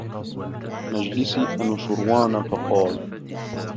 مَجْلِسِ أَنُوشِرْوَانَ فَقَالَ